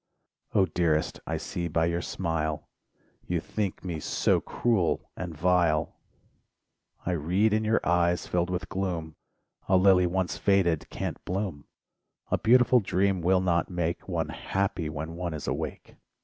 ... Oh, dearest, I see by your smile, You think me so cruel and vile, SONGS AND DREAMS I read in your eyes filled with gloom: "A lily once faded can't bloom; A beautiful dream will not make One happy, when one is awake